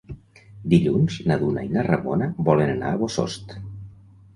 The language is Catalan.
Dilluns na Duna i na Ramona volen anar a Bossòst.